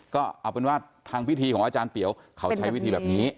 ก็เอาเป็นว่าทางพิธีของอาจารย์เปียวเขาใช้วิธีแบบนี้